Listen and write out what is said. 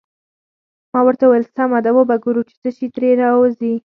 ما ورته وویل: سمه ده، وبه ګورو چې څه شي ترې راوزي.